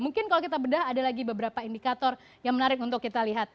mungkin kalau kita bedah ada lagi beberapa indikator yang menarik untuk kita lihat